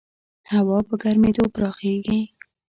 هوا په ګرمېدو پراخېږي.